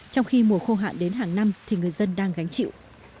trong khi mùa khô hạn đến hàng năm thì người dân đang gánh chịu